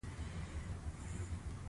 آیا احمد شاه بابا په جرګه پاچا نه شو؟